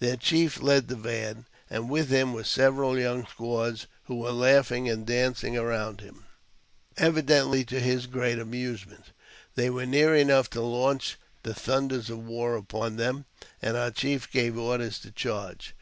Their chief led the van, and with him were several young squaws, who were laughing and dancing around him, evidently to his great amusement. They were near enough to launch the thunders of war upon them, and our chief gave orders to charge.